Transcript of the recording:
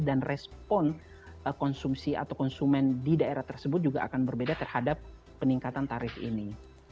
dan respon konsumsi atau konsumen di daerah tersebut juga akan berbeda terhadap peningkatan tarif ini